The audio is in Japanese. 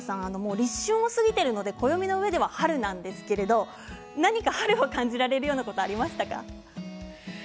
立春を過ぎているので暦の上では春なんですが何か春を感じられることはありましたか？